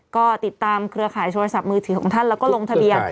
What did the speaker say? ก็ติดตามเครือข่ายโทรศัพท์มือถือของท่านแล้วก็ลงทะเบียน